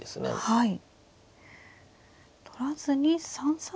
はい。